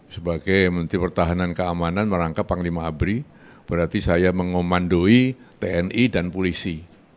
sebagai menteri pertahanan keamanan merangkap panglima abri berarti saya mengomandoi tni dan polisi